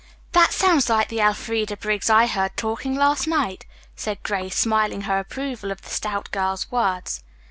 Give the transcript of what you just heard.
"That sounds like the Elfreda Briggs I heard talking last night," said Grace, smiling her approval of the stout girl's words.